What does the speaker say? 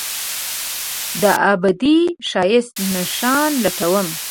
دابدي ښایست نشان لټوم